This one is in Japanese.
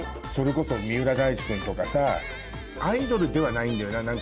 それこそ三浦大知君とかさアイドルではないんだよな。